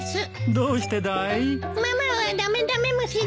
どうしてだい？